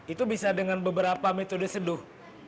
itu bisa dengan beberapa metode seduh